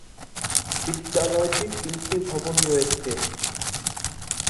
বিদ্যালয়টির তিনটি ভবন রয়েছে।